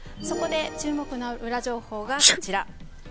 そこで、注目のウラ情報がこちら。